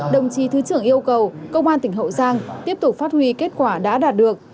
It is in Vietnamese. đồng chí thứ trưởng yêu cầu công an tỉnh hậu giang tiếp tục phát huy kết quả đã đạt được